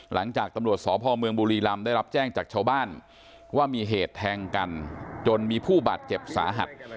หลังจากตำรวจสพเมืองบุรีรำได้รับแจ้งจากชาวบ้านว่ามีเหตุแทงกันจนมีผู้บาดเจ็บสาหัส